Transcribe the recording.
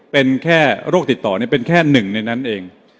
เป็นแค่โรคติดต่อเป็นแค่หนึ่งในนั้นเอง